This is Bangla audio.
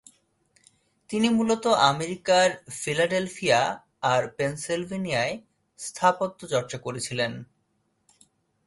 তিনি মূলত আমেরিকার ফিলাডেলফিয়া আর পেনসিলভানিয়ায় স্থাপত্য চর্চা করেছিলেন।